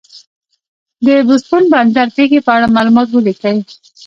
د بوستون بندر پېښې په اړه معلومات ولیکئ.